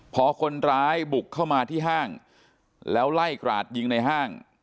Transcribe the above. พอคนร้ายบุกเข้ามาที่ห้างแล้วไล่กราดยิงในห้าง